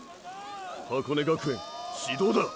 箱根学園始動だ！